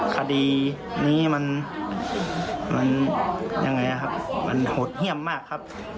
คดีนี้มันยังไงครับมันหดเยี่ยมมากครับ